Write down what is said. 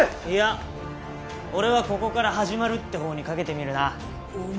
いや俺はここから始まるって方に賭けてみるなお